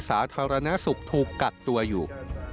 สาธารณสุขถูกกักตัวอยู่